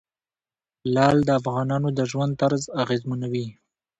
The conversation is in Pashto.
لعل د افغانانو د ژوند طرز اغېزمنوي.